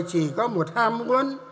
chỉ có một hàm huấn